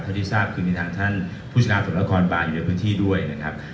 ที่ทราบคือมีทางท่านผู้ชาสมนครบานอยู่ในพื้นที่ด้วยนะครับ